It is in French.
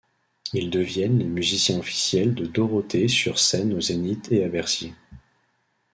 Ils deviennent les musiciens officiels de Dorothée sur scène au Zénith et à Bercy.